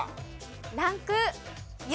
ランク４。